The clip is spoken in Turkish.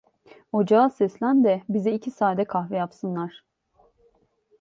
Ocağa seslen de bize iki sade kahve yapsınlar…